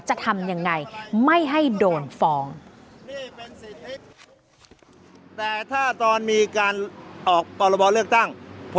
จะทำยังไงไม่ให้โดนฟ้อง